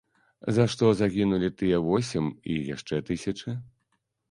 За што загінулі тыя восем і яшчэ тысячы?